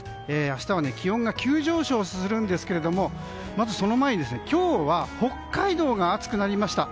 明日は気温が急上昇するんですがその前に今日は北海道が暑くなりました。